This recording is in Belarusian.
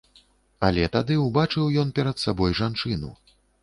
Але тады ўбачыў ён перад сабой жанчыну.